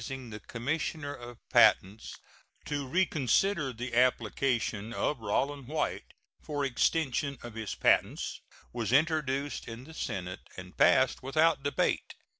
On the 9th of April, 1869, a bill authorizing the Commissioner of Patents to reconsider the application of Rollin White for extension of his patents was introduced in the Senate and passed without debate.